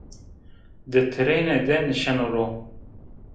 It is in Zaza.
Di trêne de nişeno ro